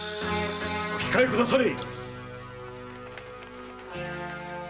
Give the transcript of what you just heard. お控えくだされ。